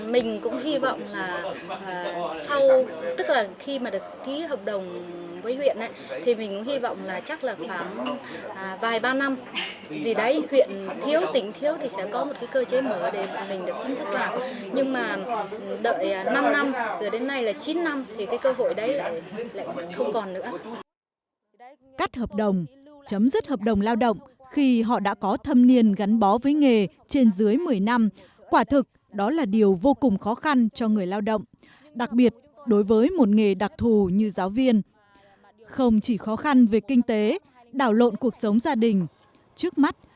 mình cũng hy vọng là sau tức là khi mà được ký hợp đồng với huyện thì mình cũng hy vọng là chắc là khoảng vài ba năm gì đấy